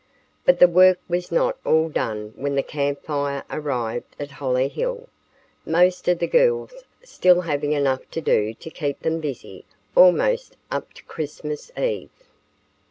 But the work was not all done when the Camp Fire arrived at Hollyhill, most of the girls still having enough to do to keep them busy almost up to Christmas eve.